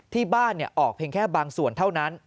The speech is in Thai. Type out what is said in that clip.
ที่บ้านออกเพียงแค่บางส่วนเท่านั้น